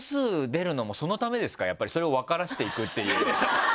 それを分からせていくっていう。